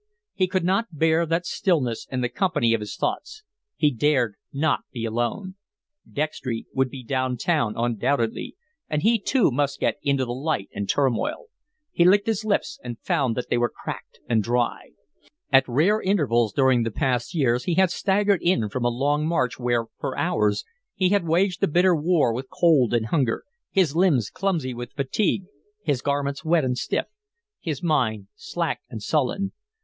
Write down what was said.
He could not bear that stillness and the company of his thoughts. He dared not be alone. Dextry would be down town, undoubtedly, and he, too, must get into the light and turmoil. He licked his lips and found that they were cracked and dry. At rare intervals during the past years he had staggered in from a long march where, for hours, he had waged a bitter war with cold and hunger, his limbs clumsy with fatigue, his garments wet and stiff, his mind slack and sullen.